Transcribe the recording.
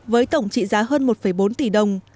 với tổng trị giá hơn một bốn tỷ đồng